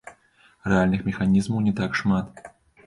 Рэальных механізмаў не так шмат.